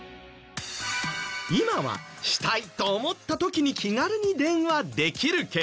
今はしたいと思った時に気軽に電話できるけど。